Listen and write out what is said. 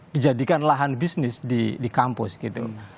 dijadikan lahan bisnis di kampus gitu